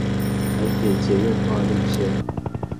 台鐵捷運化路線